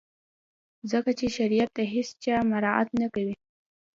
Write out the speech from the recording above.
ځکه چي شریعت د هیڅ چا مراعات نه کوي.